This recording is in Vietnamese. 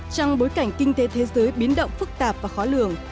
trong bối cảnh kinh tế thế giới biến động phức tạp và khó lường